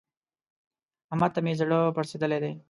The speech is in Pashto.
احمد ته مې زړه پړسېدلی دی.